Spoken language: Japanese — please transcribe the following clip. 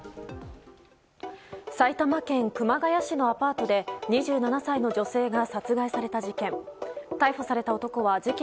埼玉県熊谷市のアパートで２７歳の女性が殺害された事件。